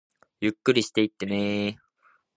ゆっくりしていってねー